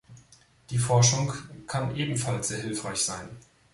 Die Forschung kann ebenfalls sehr hilfreich sein.